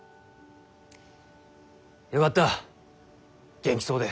よかった元気そうで。